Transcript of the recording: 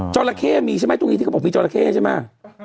ราเข้มีใช่ไหมตรงนี้ที่เขาบอกมีจราเข้ใช่ไหม